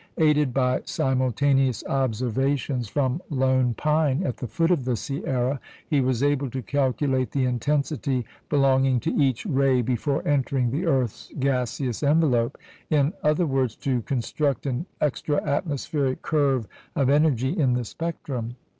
Aided by simultaneous observations from Lone Pine, at the foot of the Sierra, he was able to calculate the intensity belonging to each ray before entering the earth's gaseous envelope in other words, to construct an extra atmospheric curve of energy in the spectrum.